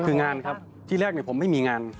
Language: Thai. คืองานครับที่แรกผมไม่มีงาน